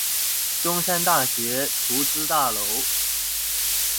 中山大學圖資大樓